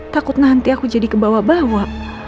takut nanti aku jadi kebawa bawa